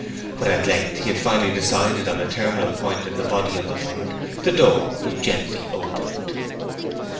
When, at length, he had finally decided on a terminal point in the body of the bird, the door was gently opened.